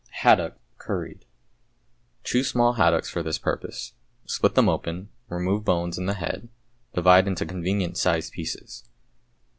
=Haddock, Curried.= Choose small haddocks for this purpose. Split them open, remove bones and the head, divide into convenient sized pieces.